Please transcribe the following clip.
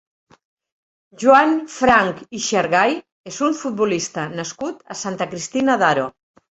Joan Franch i Xargay és un futbolista nascut a Santa Cristina d'Aro.